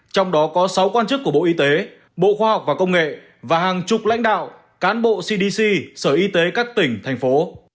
trong đó có sáu quan chức của bộ y tế bộ khoa học và công nghệ và hàng chục lãnh đạo cán bộ cdc sở y tế các tỉnh thành phố